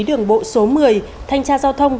đường bộ số một mươi thanh tra giao thông